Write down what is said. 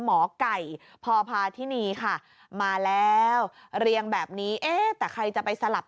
หมอไก่พอพาทินีค่ะมาแล้วเรียงแบบนี้เอ๊ะแต่ใครจะไปสลับ